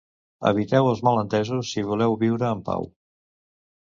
Eviteu els malentesos, si voleu viure en pau.